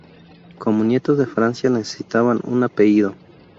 Como nietos de Francia, necesitaban un apellido.